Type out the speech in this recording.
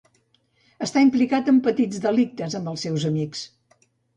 Està implicat en petits delictes amb els seus amics.